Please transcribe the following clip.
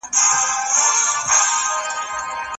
ستا له وېشه مي زړه شین دی له تش جامه